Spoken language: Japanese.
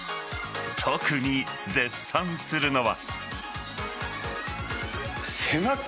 特に絶賛するのは。